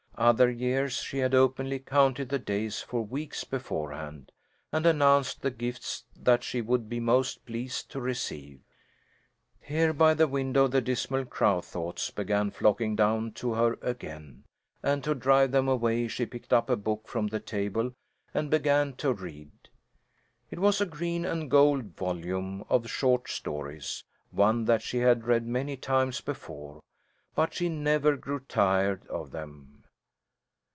Other years she had openly counted the days, for weeks beforehand, and announced the gifts that she would be most pleased to receive. Here by the window the dismal crow thoughts began flocking down to her again, and to drive them away she picked up a book from the table and began to read. It was a green and gold volume of short stories, one that she had read many times before, but she never grew tired of them.